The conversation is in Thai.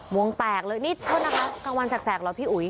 วงแตกเลยนี่โทษนะคะกลางวันแสกเหรอพี่อุ๋ย